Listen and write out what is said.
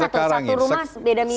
satu rumah beda mimpi itu gimana sih